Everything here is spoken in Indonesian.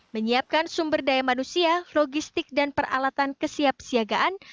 menyiapkan sumber daya manusia logistik dan peralatan kesiap siagaan